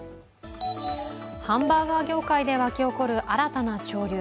ハンバーガー業界で沸き起こる新たな潮流。